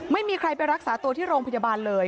ไม่มีใครไปรักษาตัวที่โรงพยาบาลเลย